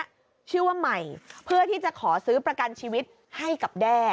ชื่อว่าใหม่เพื่อที่จะขอซื้อประกันชีวิตให้กับแด้